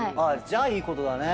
じゃあいいことだね。